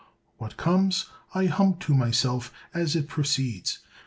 What comes, I hum to myself as it proceeds.